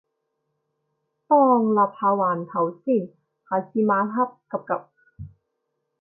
當立下環頭先，下次晚黑 𥄫𥄫